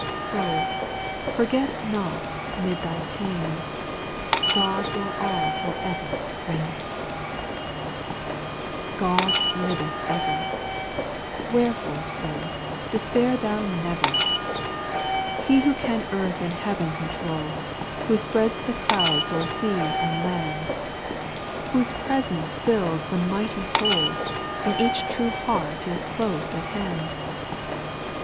Soul, forget not 'mid thy pains, God o'er all for ever reigns 1 8. God liveth ever 1 Wherefore, soul, despair thou never I He who can earth and heaven control, Who spreads the clouds o'er sea and land, 4 870 SPIRITUAL SONGS. Whose presence fills the mighty whole, In each true heart is close at hand.